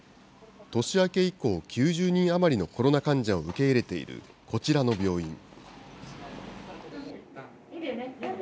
年明け以降、９０人余りのコロナ患者を受け入れているこちらの病院。